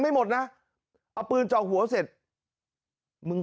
เฮ้ยดูหน้ามัน